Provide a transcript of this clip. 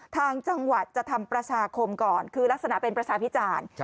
ทางจังหวัดจะทำประชาคมก่อนคือลักษณะเป็นประชาพิจารณ์